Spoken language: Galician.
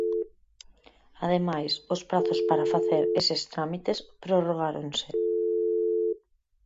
Ademais, os prazos para facer eses trámites prorrogáronse...